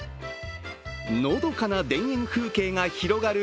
のどかな田園風景が広がる